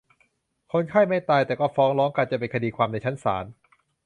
คนไข้ไม่ตาย แต่ก็ฟ้องร้องกันจนเป็นคดีความในชั้นศาล